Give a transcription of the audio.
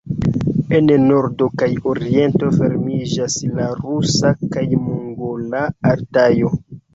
En nordo kaj oriento fermiĝas la rusa kaj mongola Altajo.